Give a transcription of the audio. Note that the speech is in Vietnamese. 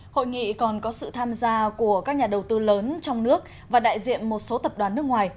hội nghị còn có sự tham gia của các nhà đầu tư lớn trong nước và đại diện một số tập đoàn nước ngoài